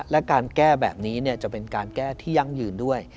และการแก้แบบนี้จะเป็นการแก้ที่ยั่งยืนด้วย